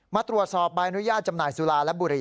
มาตรวจสอบใบอนุญาตจำหน่ายสุราและบุรี